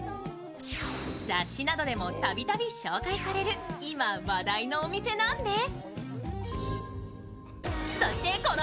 雑誌などでも度々紹介される、今、話題のお店なんです。